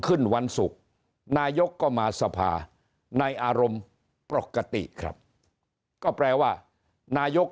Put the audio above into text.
วันศุกร์นายกก็มาสภาในอารมณ์ปกติครับก็แปลว่านายก